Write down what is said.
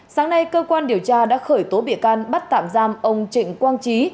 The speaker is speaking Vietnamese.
sáng nay cơ quan điều tra đã khởi tố bịa can bắt tạm giam ông trịnh quang trí